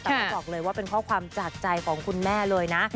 แต่ว่าบอกเลยว่าเป็นข้อความจากใจของคุณแม่เลยนะ